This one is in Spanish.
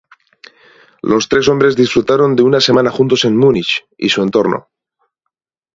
Los tres hombres disfrutaron de una semana juntos en Múnich y su entorno.